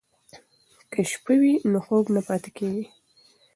که شپه وي نو خوب نه پاتې کیږي.